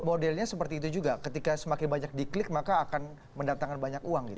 modelnya seperti itu juga ketika semakin banyak diklik maka akan mendatangkan banyak uang gitu